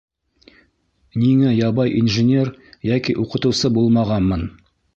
Ниңә ябай инженер йәки уҡытыусы булмағанмын?